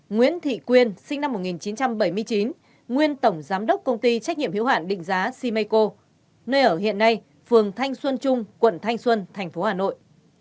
ba nguyễn thị quyên sinh năm một nghìn chín trăm bảy mươi chín nguyên tổng giám đốc công ty trách nhiệm hiệu hạn định giá simeco nơi ở hiện nay phường thanh xuân trung quận thanh xuân tp hà nội